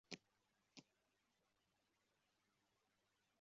Umuntu arimo gukora amayeri hamwe nigare kumurongo